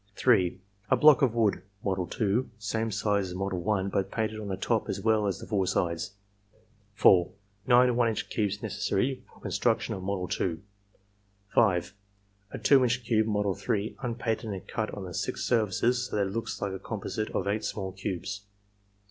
(3) A block of wood (model 2), same size as model 1 but painted on the top as well as the four sides. (4) Nine 1 inch cubes necessary for con struction of model 2. (5) A 2 inch cube (model 3), unpainted and cut on the six surfaces so that it looks like a composite of eight small cubes.